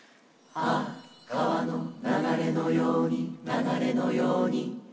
「ああ川の流れのように流れのように」